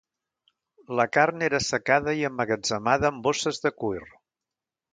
La carn era assecada i emmagatzemada en bosses de cuir.